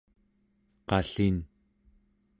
qallin